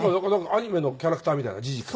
アニメのキャラクターみたいなジジカ。